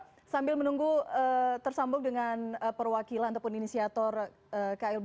oke sambil menunggu tersambung dengan perwakilan ataupun inisiator klb